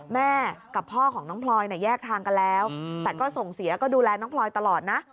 แม่กับพ่อของน้องพลอยแยกทางกันแล้วแต่ก็ส่งเสียก็ดูแลน้องพลอยตลอดนะ